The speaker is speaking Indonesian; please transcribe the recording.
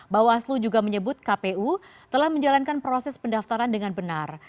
bawaslu juga menyebut kpu telah menjalankan proses pendaftaran dengan benar